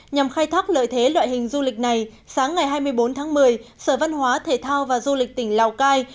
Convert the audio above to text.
nhằm khai thác lợi thế loại hình du lịch này sáng ngày hai mươi bốn tháng một mươi sở văn hóa thể thao và du lịch tỉnh lào cai